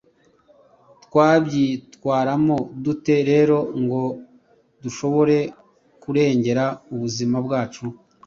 Twabyitwaramo dute rero ngo dushobore kurengera ubuzima bwacu?